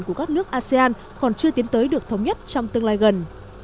của các nước asean còn chưa tiến tới được thống nhất trong tương lai gần